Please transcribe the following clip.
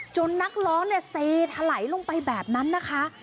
นักร้องเนี่ยเซถลายลงไปแบบนั้นนะคะ